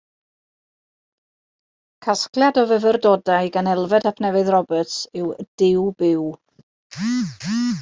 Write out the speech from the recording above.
Casgliad o fyfyrdodau gan Elfed ap Nefydd Roberts yw Y Duw Byw.